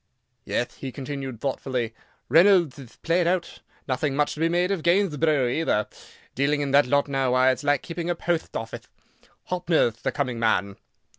"Yeth," he continued, thoughtfully, "Reynoldth ith played out. Nothing much to be made of Gainthborough, either. Dealing in that lot now, why, it'th like keeping a potht offith. Hoppner'th the coming man."